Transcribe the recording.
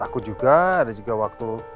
aku juga ada juga waktu